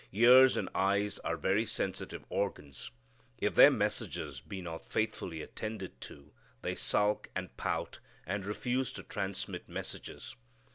Ears and eyes are very sensitive organs. If their messages be not faithfully attended to they sulk and pout and refuse to transmit messages.